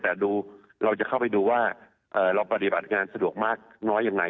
แต่ดูเราจะเข้าไปดูว่าเราปฏิบัติงานสะดวกมากน้อยยังไง